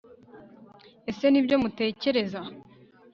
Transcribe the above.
ese nibyo mutekereza